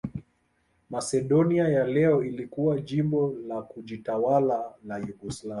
Masedonia ya leo ilikuwa jimbo la kujitawala la Yugoslavia.